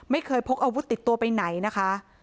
พกอาวุธติดตัวไปไหนนะคะ